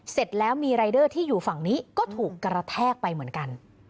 เสร็จแล้วมีรายเดอร์ที่อยู่ฝั่งนี้ก็ถูกกระแทกไปเหมือนกัน